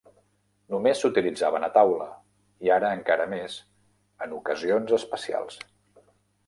Només s'utilitzaven a taula, i ara encara més, en ocasions especials.